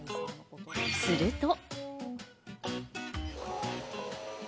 すると。